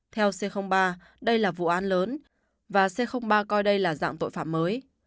theo c ba đây là vụ án lớn và c ba coi đây là dạng tội phạm mới